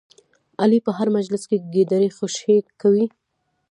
علي په هر مجلس کې ګیدړې خوشې کوي.